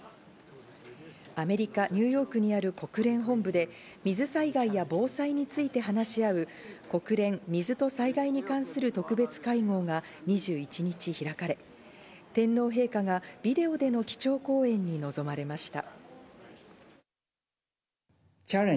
アメリカ・ニューヨークにある国連本部で水災害や防災について話し合う、国連水と災害に関する特別会合が２１日開かれ、天皇陛下がビデオでの基調講演に臨まれました。